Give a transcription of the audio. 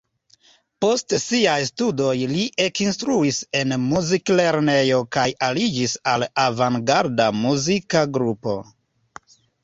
Post siaj studoj li ekinstruis en muziklernejo kaj aliĝis al avangarda muzika grupo.